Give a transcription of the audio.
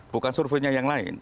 bukan surveinya yang lain